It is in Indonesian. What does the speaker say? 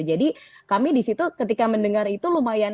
jadi kami di situ ketika mendengar itu lumayan